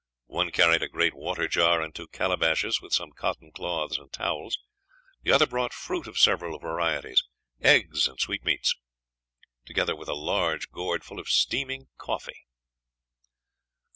One carried a great water jar and two calabashes, with some cotton cloths and towels; the other brought fruit of several varieties, eggs, and sweetmeats, together with a large gourd full of steaming coffee.